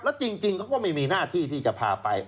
แล้วจริงเขาก็ไม่มีหน้าที่ที่จะพาไป